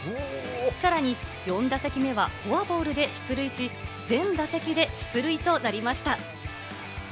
さらに４打席目はフォアボールで出塁し、全打席で出塁となりました。